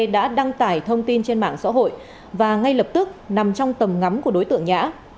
đã đăng tải thông tin trên mạng xã hội và ngay lập tức nằm trong tầm ngắm của đối tượng nhã